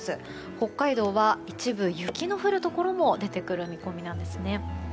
北海道は一部で雪の降るところも出てくる見込みです。